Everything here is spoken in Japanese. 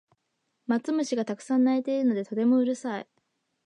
マツムシがたくさん鳴いているのでとてもうるさい